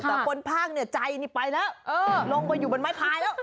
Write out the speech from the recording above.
แต่คนภาคเนี่ยใจนี่ไปแล้วลงไปอยู่บนไม้พายแล้ว